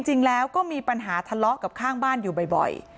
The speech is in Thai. จริงแล้วก็มีปัญหาทะเลาะกับข้างบ้านอยู่บ่อย